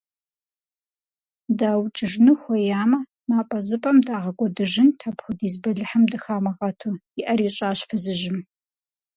ДаукӀыжыну хуеямэ, напӀэзыпӀэм дагъэкӀуэдыжынт, апхуэдиз бэлыхьым дыхамыгъэту, – и Ӏэр ищӀащ фызыжьым.